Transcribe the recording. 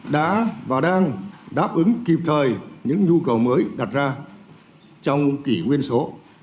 đã và đang đáp ứng kịp thời những nhu cầu mới đặt ra trong kỷ nguyên số